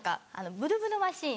グルグルマシン？